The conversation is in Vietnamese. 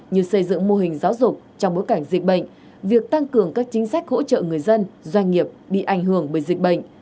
như xây dựng mô hình giáo dục trong bối cảnh dịch bệnh việc tăng cường các chính sách hỗ trợ người dân doanh nghiệp bị ảnh hưởng bởi dịch bệnh